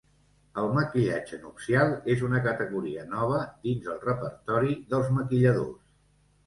El maquillatge nupcial és una categoria nova dins el repertori dels maquilladors.